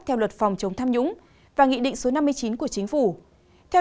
theo luật phòng chống tham nhũng và nghị định số năm mươi chín của chính phủ